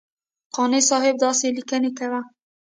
قانع صاحب داسې لیکنې کوه.